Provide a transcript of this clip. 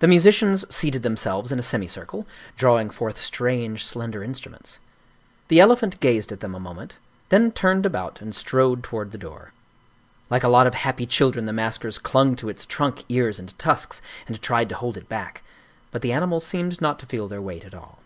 The musicians seated themselves in a semicircle, drawing forth strange, slender instruments. The elephant gazed at them a moment, then turned about and strode toward the door. Like a lot of happy children the maskers clung to its trunk, ears, and tusks and tried to hold it back; but the animal seemed not to feel their weight at all.